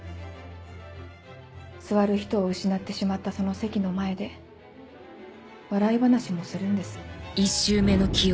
座る人を失ってしまったその席の前で笑い話もするんです。